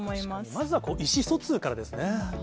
まずは意思疎通からですね。